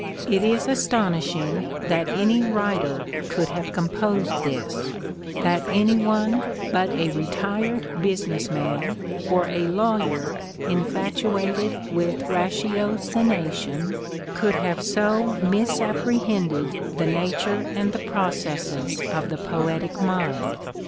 It is astonishing that any writer could have composed this, that any one but a retired business man or a lawyer infatuated with ratio cination could have so misapprehended the nature and 26o The Ordeal of Mark Twain the processes of the poetic mind.